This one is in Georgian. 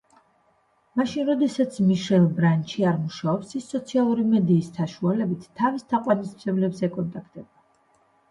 მაშინ როდესაც მიშელ ბრანჩი არ მუშაობს ის სოციალური მედიის საშუალებით თავის თაყვანისმცემლებს ეკონტაქტება.